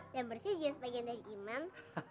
dan bersih juga sebagian dari imam